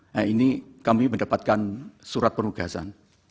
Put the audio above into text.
nah ini kami mendapatkan surat penugasan